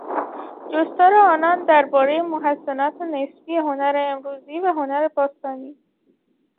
جستار آنان دربارهی محسنات نسبی هنر امروزی و هنر باستانی